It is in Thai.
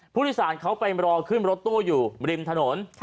ผู้โดยสารเขาไปรอขึ้นรถตู้อยู่ริมถนน